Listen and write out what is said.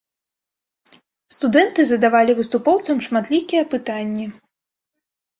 Студэнты задавалі выступоўцам шматлікія пытанні.